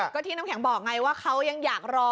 ก็ที่น้ำแข็งบอกไงว่าเขายังอยากรอ